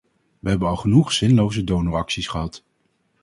We hebben al genoeg zinloze donoracties gehad.